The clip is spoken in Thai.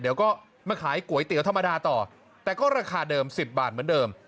เดี๋ยวก็มาขายก๋วยเตี๋ยวธรรมดาต่อแต่ก็ราคาเดิม๑๐บาทเหมือนเดิม